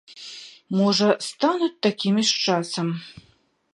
Можа, стануць такімі з часам.